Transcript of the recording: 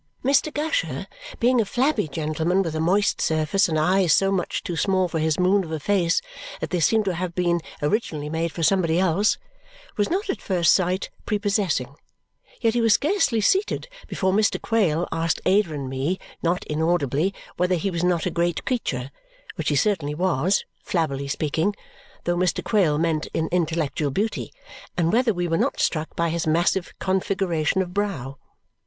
Mr. Gusher, being a flabby gentleman with a moist surface and eyes so much too small for his moon of a face that they seemed to have been originally made for somebody else, was not at first sight prepossessing; yet he was scarcely seated before Mr. Quale asked Ada and me, not inaudibly, whether he was not a great creature which he certainly was, flabbily speaking, though Mr. Quale meant in intellectual beauty and whether we were not struck by his massive configuration of brow.